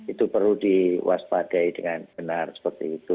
itu perlu diwaspadai dengan benar seperti itu